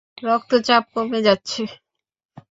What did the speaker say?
রক্তচাপ কমে যাচ্ছে।